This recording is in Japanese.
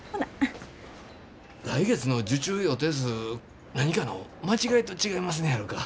来月の受注予定数何かの間違いと違いますねやろか？